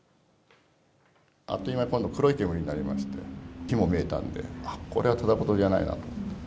あっという間に今度黒い煙になりまして、火も見えたんで、あっ、これはただ事じゃないなと。